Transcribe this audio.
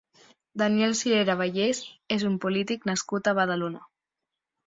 Daniel Sirera Bellés és un polític nascut a Badalona.